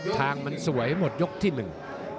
ทางมันสวยหมดยกที่หนึ่ง